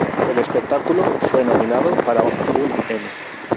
El espectáculo fue nominado para un Emmy.